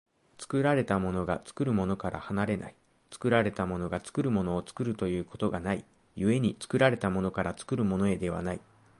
作られたものが作るものから離れない、作られたものが作るものを作るということがない、故に作られたものから作るものへではない。